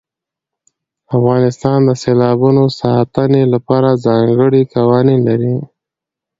افغانستان د سیلابونو د ساتنې لپاره ځانګړي قوانین لري.